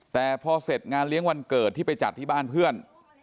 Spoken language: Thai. แต่พอเสร็จงานเลี้ยงวันเกิดที่ไปจัดที่บ้านเพื่อน